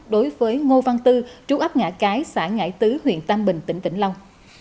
đối với ngô văn tư trú ấp ngãi cái xã ngãi tứ huyện tam bình tỉnh vĩnh long